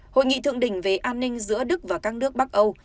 hội nghị thượng đỉnh về an ninh giữa đức và các nước bắc âu